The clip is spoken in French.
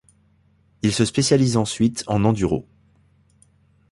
Il se spécialise ensuite en enduro.